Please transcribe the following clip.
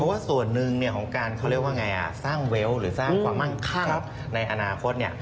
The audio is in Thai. เพราะว่าส่วนหนึ่งของการสร้างเวลต์หรือสร้างความมั่งคั่งในอนาคต